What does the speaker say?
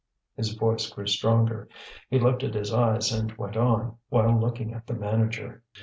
His voice grew stronger. He lifted his eyes and went on, while looking at the manager.